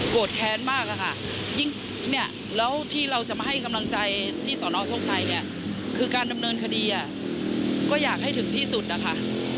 แค้นมากอะค่ะยิ่งเนี่ยแล้วที่เราจะมาให้กำลังใจที่สอนอโชคชัยเนี่ยคือการดำเนินคดีก็อยากให้ถึงที่สุดนะคะ